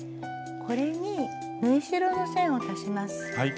これに縫い代の線を足します。